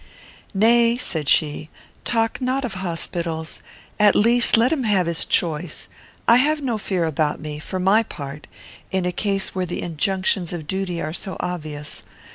"Nay," said she, "talk not of hospitals. At least, let him have his choice. I have no fear about me, for my part, in a case where the injunctions of duty are so obvious.